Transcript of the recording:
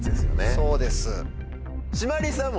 そうです。